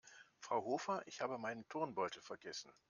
Frau Hofer, ich habe meinen Turnbeutel vergessen.